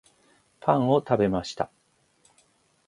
パンを食べました